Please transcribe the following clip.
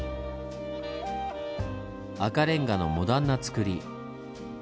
赤レンガのモダンなつくり。